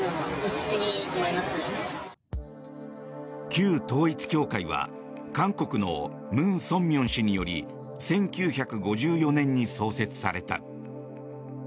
旧統一教会は韓国のムン・ソンミョン氏により１９５４年に創設された。